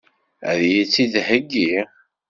Ad iyi-tt-id-theggi?